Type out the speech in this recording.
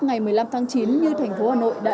ngày một mươi năm tháng chín như thành phố hà nội đã